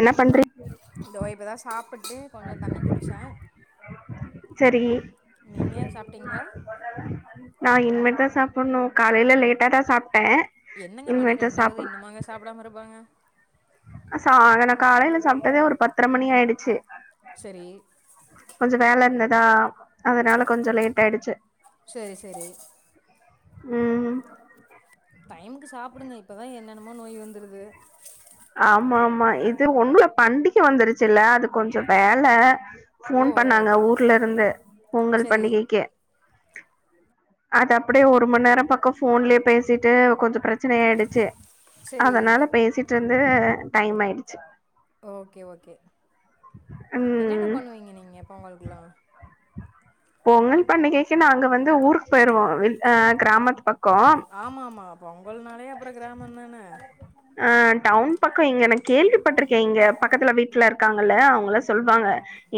என்ன பண்றீங்க தோ இப்பதா சாப்புட்டு கொஞ்சொ தண்ணி குடிச்சே செரி நீங்க சாப்ட்டீங்ளா சாப்புன்னு காலைல லேட்டா தா சாப் என்னங்க மணி ரெண்டாவுது இன்னுமாங்க சாப்டாம இருப்பாங்க சா நா காலைல சாப்ட்டதே ஒரு பத்தர மணி ஆயிடுச்சு சரி கொஞ்சொ வேல இருந்த தா அதனால கொஞ்ச லேட் ஆயிடுச்சு சரி சரி உம் ப்பிடுங்க இப்பதான் என்னென்னமோ நோய் வந்துருது ஆமா ஆமா இது உண்ணுல பண்டிகை வந்துருச்சு இல்ல அது கொஞ்சம் வேலை ஓ போன் ஓ பண்ணாங்க ஊர்ல இருந்து பொங்கல் சரி பண்டிகைக்கு அது அப்படியே ஒரு மணி நேரம் பக்கம் போன்லயே பேசிட்டு கொஞ்சம் பிரச் பிரச்சனயாயிடுச்சு சரி அதனால பேசிட்டு வந்து டைம் ஆயிடுச்சு ஓகே ஓகே என்னென்ன ம் பண்ணுவீங்க நீங்க பொங்கலுக்குல்லாம் பொங்கல் பண்டிகைக்கு நாங்க வந்து ஊருக்கு போயிருவோம் அஹ் கிராமத்து பக்கம் ஆமா ஆமா அ பொங்கல்னாலே அப்றம் கிராமம் தானே ஆஹ் டவுன் பக்கம் இங்க நான் கேள்விப்பட்டிருக்கேன் இங்க பக்கத்துல வீட்டுல இருக்காங்கல்ல அவங்கல்லாம் சொல்லுவாங்க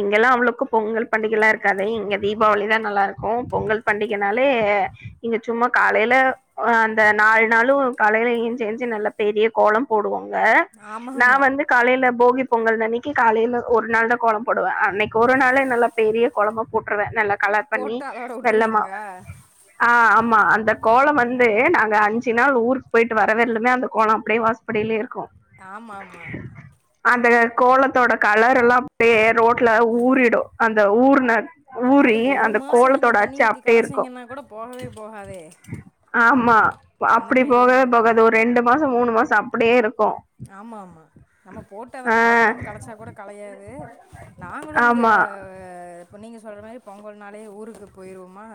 இங்கெல்லாம் அவளவுக்கும் பொங்கல் பண்டிகை எல்லாம் இருக்காது இங்க தீபாவளி தான் நல்லா இருக்கும் பொங்கல் பண்டிகைனாலே இங்க சும்மா காலையில அந்த நாலு நாளும் கலையிலையும் எஞ்சு எஞ்சுநல்ல பெரிய கோலம் போடுவோம் ஆமாம் நான் ஆமாம் வந்து காலையில போஹிப் பொங்கல் அன்னைக்கு காலையில ஒரு நாள் தான் கோலம் போடுவேன் அன்னைக்கு ஒரு நாலைள நல்லா பெரிய கோலமா போட்டுருவேன் நல்லா கலர் பண்ணி போட்டு அதோட வெள்ளமா விட்டுருவீங்களா ஆஹ் ஆமா அந்த கோலம் வந்து நாங்க அஞ்சு நாள் ஊர் போயிட்டு வரவரையிலுமே அந்த கோலம் அப்டியே வாசப்படிலே இருக்கும் ஆமா ஆமா அந்த கோலத்தோட கலர் எல்லாம் அப்டியே ரோட்ல ஊறிடும் அந்த ஊர்ன அது ஊறி ஒரு அந்த மாசம் நீங்க கோலத்தோட தண்ணி அச்சு ஊத்தி அப்படியே இருக்கும். கலச்சிங்கன்னா கூட போகவே போகாதே அந்த மாதி போகவேபோகாது ஒரு ரெண்டு மாசம் மூணு மாசம் அப்டியே இருக்கும் ஆமா ஆமா நம்ம போட்டு அதை ஆ கலக்கலைன்னு களைச்சா கூட களையாது நாங்களும் இங்க ஆமா இப்போ நீங்கள் சொல்ற மாரி பொங்கல் நாளே ஊருக்கு போயிடுவோமா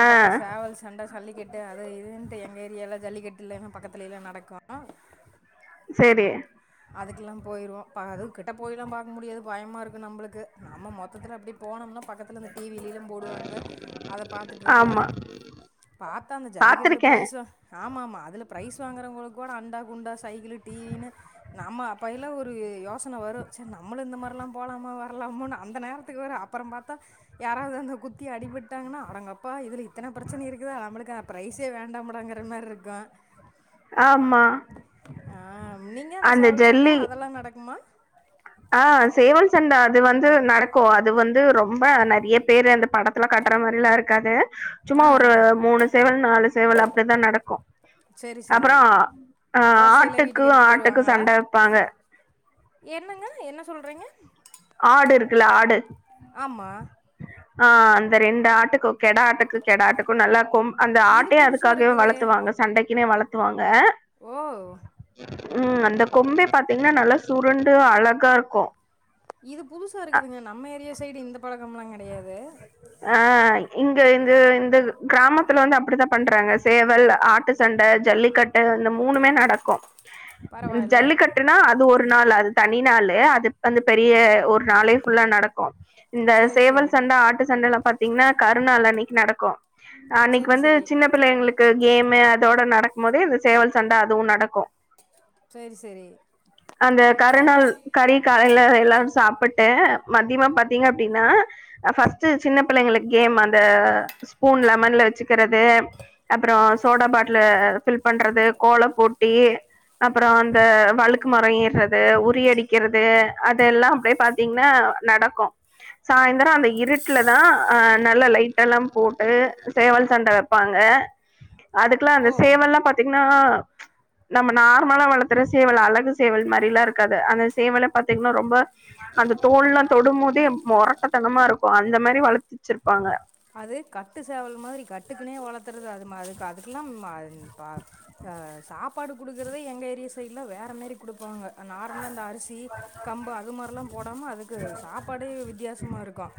ஆ பாத்த சேவல் சண்டை ஜல்லிக்கட்டு அது இதுன்ட்டு எங்க ஏரியால ஜல்லிக்கட்டுல்லன்ன பக்கத்துல எல்லாம் நடக்கும் சேரி அதுக்கெல்லாம் போயிடுவோம் இப்போ அதுக்கிட்ட போய்லாம் பாக்க முடியாது பயமாக இருக்கு நம்மளுக்கு நம்ம மொத்தத்துல அப்படி போனோம்னா பக்கத்தில் இந்த டிவிலிலும் போடுவாங்க அதை பாத்துட்டு இருக்கலாம் ஆமா பாத்தா அந்த ஜல்லிக்கட்டுல பாத்திருக்கே பிரைஸும் ஆமாம் ஆமாம் அதில் ப்ரைஸ் வாங்குறவங்களுக்கு கூட அண்டா குண்டா சைக்கிள் டிவின்னு நம்ம அப்பையல்லாம் ஒரு யோசனை வரும் சரி நம்ளும் இந்த மாதிரிலாம் போகலாமா வரலாமோனு அந்த நேரத்துக்கு வேற அப்புறம் பாத்தா யாராவது அந்த குத்தி அடிபட்டாங்கன்னா அடங்கப்பா இதில் எத்தனை பிரச்சனை இருக்குதா நம்மளுக்கு ப பிரைஸே வேண்டாமடாங்குற மாரி இருக்கும் ஆமா அந்த சண்ட அதெல்லாம் நடக்கு மா ஆஹ் சேவல் சண்டை அது வந்து நடக்கும் அது வந்து ரொம்ப நெறைய பேர் அந்த படத்துல கட்டுற மாரி எல்லா இருக்காது சும்மா ஆ ஒரு ஆ மூணு சேவல் நாலு சேவல் அப்டிதான் நடக்கும் சரி சரி அப்பறம் அஹ் கோச்சையில் ஆட்டுக்கு வீட்டுக்கு எடுத்துகிட்டு ஆட்டுக்கு வருவாங்களா சண்டை வைப்பாங்க என்னங்க என்ன சொல்றீங்க ஆடு இருக்குல்ல ஆடு ஆமா ஆஹ் அந்த ரெண்டு ஆட்டுக்கும் கெடா ஆட்டுக்கு கெடா ஆட்டுக்கும் நல்லா கொ அந்த இது ஆட்டையே புதுசாக அதுக்காகவே இருக்குதே வளர்த்துவாங்க சண்டைக்கு வளர்த்துவாங்க ஓ உம் அந்த கொம்பே பாத்தீங்கன்னா நல்லா சுருண்டு அழகா இருக்கும் இது புதுசா இருக்குதுங்க நம்ம ஏரியா சைடு இந்த பழக் கம்பல கிடையாது அஹ் இங்க இந்த இந்த கிராமத்துல வந்து அப்டித்தான் பண்றாங்க சேவல் ஆட்டு சண்டை ஜல்லிக்கட்டு இந்த மூணுமே நடக்கும் இந்த பரவாயில்ல ஜல்லிக்கட்டுனா அது ஒரு நாள் அது தனி நாளு அது வந்து பெரிய ஒரு நளே ஃபுல்லா நடக்கும் இந்த சரி சேவல் சரி சண்டை ஆட்டு சண்டைல்ல பாத்தீங்கன்னா கருணா நாள்னா அன்னைக்கு நடக்கும் அன்னைக்கு சரி வந்து சரி சின்ன பிள்ளைங்களுக்கு கேமு அதோட ந நடக்கும் போது இந்த சேவல் சண்டை அதுவும் நடக்கும் சரி சரி அந்த கருநாள் கறி காலையில எல்லாரும் சாப்பிட்டு மத்தியமா பாத்தீங்கன்னா அப்டின்னா ஃபர்ஸ்ட் சின்ன பிள்ளைங்களுக்கு கேம் அந்த ஸ்பூன் லெமன்ல வச்சிக்கிறது அப்பறம் சோடா பாட்டில் ஃபில் பண்றது கோலம் போட்டி அப்பறம் அந்த வழுக்கு மரம் ஏறுறது உரி அடிக்கிறது அதெல்லாம் அப்டியே பாத்தீங்கன்னா நடக்கும் சாய்ந்திரம் அந்த இருட் ல தான் ஹ நல்ல லைட்ட எல்லா போட்டு சேவல் சண்டை வைப்பாங்க அதுக்கெல்லாம் அந்த ஓ சேவல் எல்லா பாத்தீங்கன்னா நம்ம நார்மலா வளத்துற சேவல் அழகு சேவல் மாதிரிலாம் இருக்காது அந்த சேவல பாத்தீங்கன்னா ரொம்ப அந்த தோல் எல்லா தொடும்போதே முரட்டத்தனமா இருக்கும் அந்த மாதிரி வளர்த்துச்சிருப்பாங்க அது கட்டு சேவல் மாரி கட் அதுக்குன்னே வளர்த்துறது அது மா அதுக்கு அதுக்கெல்லாம் பா சாப்பாடு குடுக்குறத எங்கள் ஏரியா சைடுல வேறு மாரி குடுப்பாங்க நார்மலா அந்த அரிசி கம்பு அது மாரி எல்லா போடாம அதுக்கு சாப்பாடே வித்தியாசமாக இருக்கும்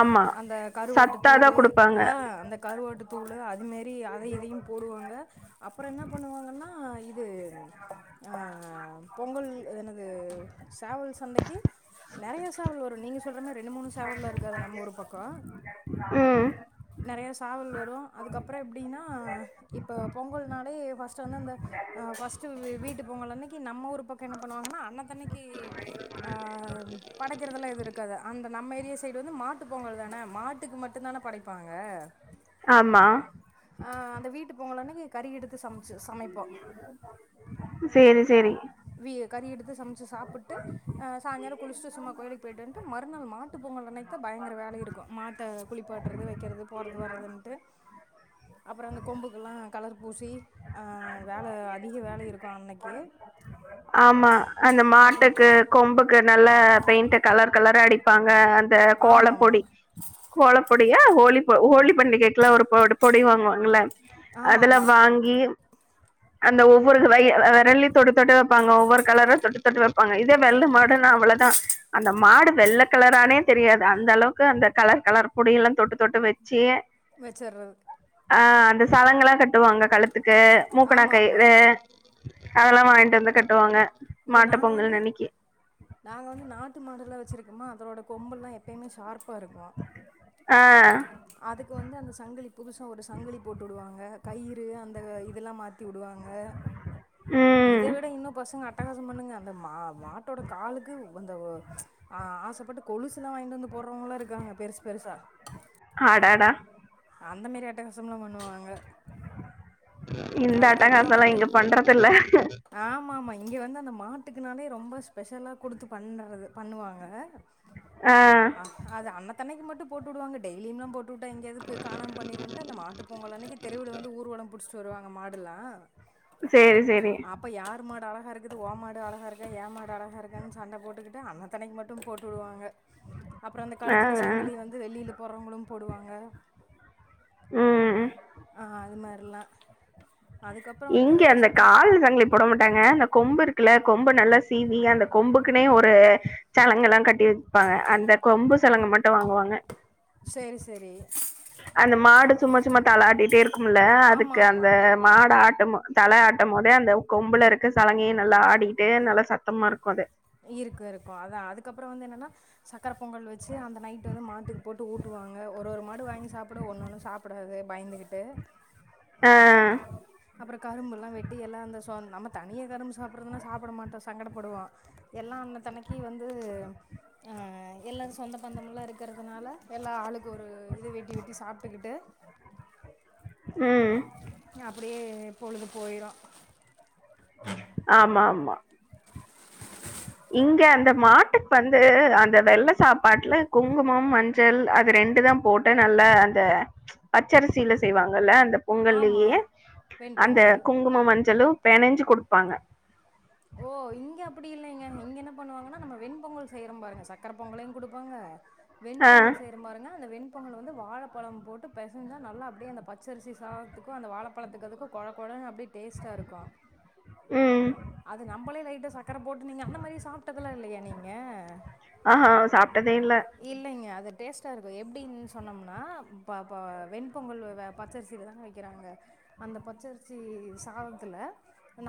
ஆமா அந்த கருவாட்டு சத்தாதா தூள் குடுப்பாங்க ஆஹ அந்த கருவாட்டு தூள் அதுமாரி அதை இதையும் போடுவாங்க அப்பறம் என்ன பண்ணுவாங்கன்னா இது ஆஹ் பொங்கல் என்னது சேவல் சண்டைக்கு நெறைய சேவல் வரும் நீங்க சொல் ரெண்டு மூணு சேவல் எல்லா இருக்காது நம் ஊரு பக்கம் ம் நிறைய சாவல் வரும் அதுக்கப்பறம் எப்டின்னா இப்ப பொங்கல்னாலே ஃபஸ்ட் வந்து ஃபஸ்ட் வீட்டு பொங்கலன்னைக்கு நம்ம ஊரு பக்கம் என்ன பண்ணுவாங்கன்னா அந்த அன்னைக்கு படைக்கிறது எல்லாம் எதுவும் இருக்காது அந்த நம்ம ஏரியா சைடு வந்து மாட்டு பொங்கல் தானே மாட்டுக்கு மட்டும் தானே படைப்பாங்க ஆமா அந்த வீட்டு பொங்கலன்னைக்கு கறி எடுத்து சமைச்சு சமைப்போம் சேரி சேரி வீ கறி எடுத்து சம் சாப்பிட்டு சாயங்காலம் குளிச்சிட்டு சும்மா கோயிலுக்கு போயிட்டு வண்டு மறுநாள் மாட்டு பொங்கல் அன்னைக்குதா பயங்கர வேலை இருக்கும் மாட்டை குளிப்பாடுறது வைக்கிறது போறது வறதுண்டு அப்புறம் அந்த கொம்புக்கெல்லாம் கலர்பூசி ஆ வேலை அதிக வேலை இருக்கும் அன்னைக்கு ஆமா அந்த அப்புறம் மாட்டுக்கு கொம்புக்கு நல்ல பெயிண்ட் கலர் கலரா அடிப்பாங்க அந்த இந்த ஆமாம் ஆமாம் கோலப்பொடி கோலம் பொடிய ஹோலி ஹோலி பண்டிகைக்குலாம் ஒரு பொடி வாங்குவாங்கள ஆமாம் அதெலாம் ஆமாம் வாங்கி அந்த ஒவ்வொரு விரலையும் தொட்டு தொட்டு வைப்பாங்க ஒவ்வொரு கலரும் தொட்டு தொட்டு வைப்பாங்க இதே வெள்ளை மாடுன்னு அவ்வளவுதான் அந்த மாடு வெள்ளை கலரானே தெரியாது அந்த ஒவ்வொரு அளவுக்கு அந்த கலர் கலர் பொடியெல்லாம் தொட்டு தொட்டு வச்சு வச்சறது ஆ அந்த சளங்களாம் கட்டுவாங்க கழுத்துக்கு ஆமாம் ஆமாம் மூக்கனாக்கையிரு அதெல்லாம் வாங்கிட்டு வந்து கட்டுவாங்க இங்க மாட்டு நாங்க வந்து பொங்கல் அன்னைக்கு நாங்க வந்து நாட்டு மாடல வச்சிருக்கே மா அதோட கொம்ப எல்லாம் எப்பயமே ஷார்ப் வருவேம் ஆஹ் அதுக்கு வந்து அந்த சங்கலி புதுசா ஒரு சங்கலி போட்டு விடுவாங்க கயிறு அந்த இதெல்லாம் மாத்தி விடுவாங்க ம் இத விட இன்னும் பசங்க அட்டகாசம் பண்ணுங்க அந்த மா மாட்டோட காலுக்கு அந்த ஆஹ் ஆசைப்பட்டு கொலுசு எல்லாம் வாங்கிட்டு வந்து போறவங்கல்லாம் இருக்காங்க பெருசு பெருசா ஆடடா அந்த மாதாரி அட்டக்கசம்லாம் பண்ணுவாங்க இந்த அட்ட அதுக்கப்புறோ காசம்லா வந்து இங்க பண்றது இல்ல ஆமா ஆமா இங்க வந்து அந்த மாட்டுக்குனாலே ரொம்ப ஸ்பெஷலா கொடுத்து பண்றது பண்ணுவாங்க ஆ அது அண்ணத்தானைக்கு மட் போட்டுவிடுவங்க டெயிலிய எல்லாம் போட்டு இங்காவ காணாம பண்ணிட்டு அந்த மாட்டு பொங்கல் அன்னைக்கு திரைய வந்து ஊர்வலம் புடிச்சிட்டு சொள்ளுவாக ஆ மாடலா சேரி சேரி அப்ப யாரு மாடா அழகா இருக்குது ஓ மாடு அழகா இருக்க ஏ மாடு அழகா இருக்கன்னு சண்டை போட்டுக்கிட்டு அன்னத்தனைக்கு மட்டும் போட்டு விடுவாங்க அப்புறம் அந்த ஆ கழுத்துல ஆ சங்கிலி வந்து வெள்ளியில போறவங்களும் போடுவாங்க ம் ஆ அது மாரி இல்ல இங்க அந்த கால் சங்கிலி போட மாட்டாங்க அந்த கொம்பு இருக்கு கொம்புருக்குல கொம்பு நல்லா சீவி அந்த கொம்புக்குன்னே ஒரு சலங்கை எல்லாம் கட்டிவச்சிருபாங்க அந்த கொம்பு சலங்க மட்டும் வாங்குவாங்க சேரி சேரி அந்த மாடு சும்மா சும்மா தலாட்டிட்டே இருக்கும் ஆமா அதுக்கு ஆமா அந்த மாட ஆ தலை ஆட்டும் போதே அந்த கொம்புல இருக்கு சலங்கையை நல்லா ஆடிட்டு நல்லா சத்தமா இருக்கும் அது இருக்கும் இருக்கும் அத அதுக்கப்புறம் வந்து என்னன்னா சக்கரை பொங்கல் வச்சு அந்த நைட்டு வந்து மாட்டுக்கு போட்டு ஊட்டுவாங்க ஒரு ஒரு மாடு வாங்கி சாப்பிடும் ஒன்னு ஒன்னு சாப்பிடாது பயந்துகிட்டு ஆஹ் அப்புறம் கரும்பு எல்லாம் வெட்டி எல்லாம் அந்த நம்ம தனிய கரும்பு சாப்படுறதுனா சாப்பிட மாட்டோம் சங்கடப்படுவோ எல்லாம் அண்ணத்தனைக்க வந்து ஆஹ எல்லா சொந்த பந்தமலாம் இருக்கிறதுனால எல்லா ஆளுக்கு ஒரு இது வெட்டி வெட்டி சாப்பிட்டுக்கிட்டு ம் அப்படியே பொழுது போயிடும் ஆமா ஆமா இங்க அந்த மாட்டுக்கு வந்து அந்த வெள்ள சாப்பாட்டுல குங்குமம் மஞ்சள் அது ரெண்டு தான் போட்டு நல்லா அந்த பச்சரிசியில செய்வாங்கல்ல அந்த ஆமா பொங்கல்லயே அந்த வெண்பொங்கல் குங்கும மஞ்சளும் பெனஞ்சு கொடுப்பாங்க ஓ இங்க அப் அப்படி இலைங்க இங்க என்ன பண்ணுவாங்கன்னா நம்ம வெண்பொங்கல் செய்றோம் பாருங்க சக்கரை பொங்கலையும் குடுப்பாங்க ஆ வெண்பொங்கல் செய்யறபாருங்க அந்த வெண் வெண்பொங்கல வந்து வாழைப்பழம் போட்டு பெசைஞ்சா நல்லா அப்படியே அந்த பச்சரிசி சாதத்துக்கும் அந்த வாழைப்பழத்துக்கும் குழ குழன்னு அப்படியே டேஸ்ட்டாக இருக்கும் உம் அது நம்மளே லைட்டா சக்கரை போட்டு நீங்க அந்த மாதிரி சாப்பிட்டதுலாஇல்லையா நீங்க ஆஹ்ஹ சாப் இல்லைங்க அது டேஸ்ட்டா இருக்கும் எப்படின்னு சொன்னோம்னா வெண்பொங்கல் பச்சரிசில தானே வைக்கிறாங்க அந்த பச்சரிசி சாதத்துல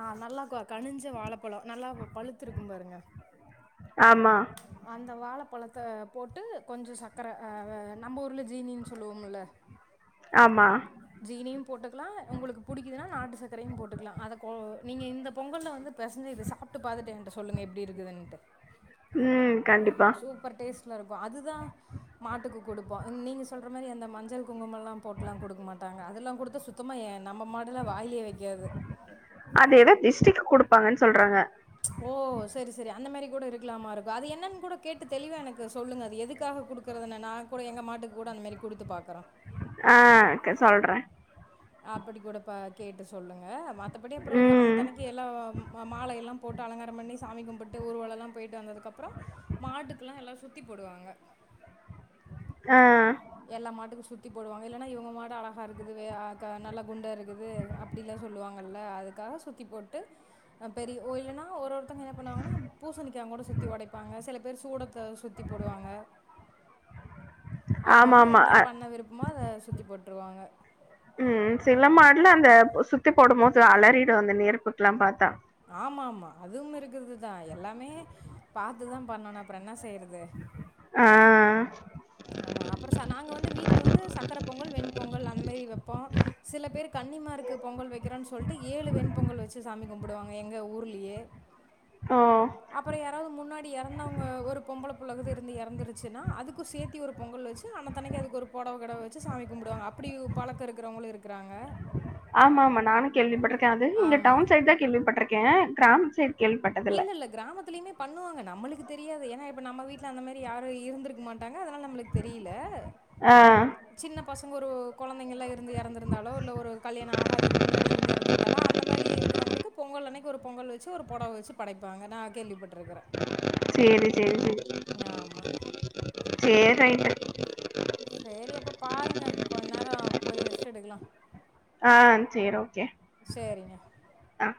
நான் நல்லா கனிஞ்ச வாழைப்பழம் நல்லா பழுத்திருக்கும் பாருங்க ஆமா அந்த வாழைப் பழத்த போட்டு கொஞ்சம் சக்கர ஹ நம்ம ஊர்ல ஜீனினு சொல்லுவோம்ல ஆமா ஜீனியும் போட்டுக்கலாம் உங்களுக்கு புடிக்குதுன்னா நாட்டு சக்கரையும் போட்டுக்கலாம் அதை நீங்க இந்த பொங்கல்ல வந்து பெசஞ்சி இத சாப்ட்டு பாத்துட்டு என் கிட்ட சொல்லுங்க எப்படி இருக்குதுன்ட்டு ம் கண்டிப்பா அது தா மாட்டுக்கு கொடுப்போ நீங்க சொல்ற மாரி அந்த மஞ்சள் குங்குமெல்லா போட்லா கொடுக்க மாட்டாங்க அதெல்லா கொடுத்த சுத்தமா ஏ நம்ம மாடுல வாயிலே வெக்காது இருப்பாங்கன்னு சொல்றாங்க ஓ செரி செரி அந்த மாரி கூட இருக்கலாமா இருக்கு அது என்னன்னு கூட கேட்டு தெளிவா எனக்கு சொல்லுங்க அது எதுக்காக குடுக்குறதுனு நா கூட எங்க மாட்டுக்கு கூட அந்த மாரி குடுத்து பாக்குறேன் ஆ சொல்ற அப்படி கூட ப கேட்டு சொல்லுங்க மத்தபடி அப்புறோ அந்த ம் தனைக்கு எல்லா மாலையெல்லா போட்டு அலங்காரம் பண்ணி சாமி கும்பிட்டு ஊருவலோ எல்லா போயிட்டு வந்ததுக்கு அப்புறோ மாட்டுக்கெல்லா எல்லாரு சுத்தி போடுவாங்க ஆ எல்லா மாட்டுக்கு சுத்தி போடுவாங்க இல்லன்னா இவங்க மாடு அலகா இருக்குது வே நல்ல குண்டா இருக்குது அப்டிலா சொல்லுவாங்கல்ல அதுக்காக சுத்தி போட்டு பெரிய ஒ இல்லைன்னா ஒரு இவங்க என்ன பண்ணுவாங்கனா பூசணிக்கா கூட சுத்தி ஒடைப்பாங்க சில பேர் சூடத் சுத்தி போடுவாங்க ஆமா அவங்கவுங்க ஆமா என்ன அ பண்ண விருப்பமோ அத சுத்தி போட்டு ம் சில மாடுல அந்த சுத்தி போடும் போது அலறிடு அந்த நெருப்புக்கெல்லா பாத்தா ஆமா ஆமா அதும் இருக்குது தா எல்லாமே பாத்து தா பண்ணனு அப்புறோ என்ன செய்றது ஆ ஆமா. அப்புறம் ச நாங்க வந்து வீட்ல வந்து சக்கரை பொங்கல், வெண்பொங்கல் அந்த மாரி வைப்போம். சில பேர் கன்னிமாருக்கு பொங்கல் போடுவாங்க எங்க ஊர்லேயே ஓ அப்புறோ யாராவது முன்னாடி எறந்தவங்க ஒரு பொம்பள பு உலகுது இருந்து எறந்துருச்சுன்னா அதுக்கு சேத்து ஒரு பொங்கல் வெச்சு அனத்தனைக்கு அதுக்கு ஒரு பொடவ கிடவ வெச்சி சாமி கும்பிடுவாங்க அப்டி பலக்கோ இருக்கிறவங்களுக் ஆமா ஆமா நானு கேள்விப்பட் இருக்காது இங்க ஆமா. டவுன் சைட் தா கேள்விப்பட்ருக்கே கிராம சைட் இல்ல இல்ல கிராமத்துலயுமே பண்ணுவாங்க நம்மளுக்கு தெரியாது ஏனா இப்ப நம்ம வீட்ல அந்த மாரி யாரு இருந்திருக்க மாட்டாங்க அதனால நம்ளுக்கு தெரியல ஆ சின்ன பசங்க ஒரு கொழந் இருந்து எறந்திருந்தாலோ இல்ல ஒரு கல்யாணோ ஆகாதுக்கு முன்னாடி இருந்து எறந்திருந்தாலோ அந்த மாரி இருக்கிறவங்களுக்கு பொங்கல் அன்னை ஒரு பொங்கல் வெச்சி ஒரு பொடவ வெச்சி படைப்பாங்க நா கேள்விப்பட் செரி செரி செரி ஆமா [inaudible] சேரி அப்ப பாருங்க கொஞ்ச நேரோ. போயி ரெஸ்டு எடுக்கலா. ஆஹ சேர் ஓகே சரிங்க. ஆஹ.